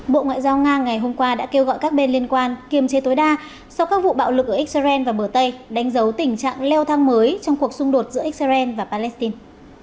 bộ ngoại giao nga ngày hôm qua đã kêu gọi các bên liên quan kiềm chế tối đa sau các vụ bạo lực ở israel và bờ tây đánh dấu tình trạng leo thang mới trong cuộc xung đột giữa israel và palestine